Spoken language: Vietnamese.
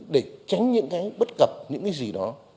để tránh những cái bất cập những cái gì đó